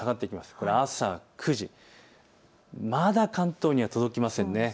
これは朝９時、まだ関東には届きませんね。